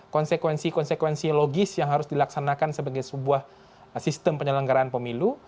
konsekuensi konsekuensi logis yang harus dilaksanakan sebagai sebuah sistem penyelenggaraan pemilu